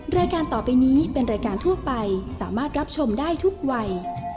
รายการต่อไปนี้เป็นรายการทั่วไปสามารถรับชมได้ทุกวัย